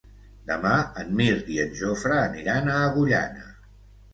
Demà en Mirt i en Jofre aniran a Agullana.